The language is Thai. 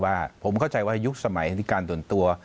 ว่าผมเข้าใจว่ายุคสมัยที่การส่วนตัว